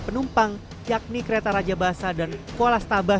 penumpang yakni kereta raja basah dan kuala setabas